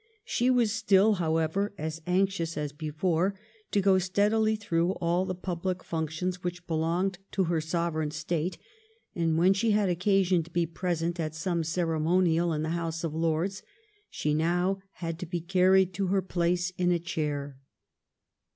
She was still, however, as anxious as before to go steadily through all the public functions which belonged to her sovereign state, and when she had occasion to be present at some ceremonial in the House of Lords she now had to be carried to her place in a chair.